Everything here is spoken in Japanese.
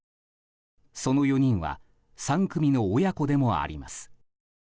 その４人は３組の親子でもあります。